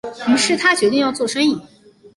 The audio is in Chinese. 於是他决定要做生意